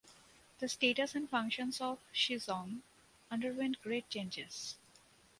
The status and functions of "Shizong" underwent great changes.